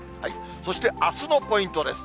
そしてあすのポイントです。